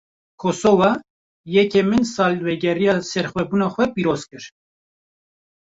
Kosowa, yekemîn salvegera serxwebûna xwe pîroz kir